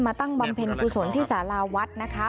มาตั้งปัมเพณิกุษลที่สาราวัดนะคะ